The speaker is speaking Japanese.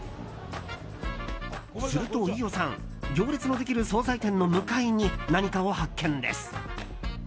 すると飯尾さん行列のできる総菜店の向かいに何かを発見です。